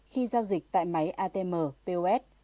khi giao dịch tại máy atm pos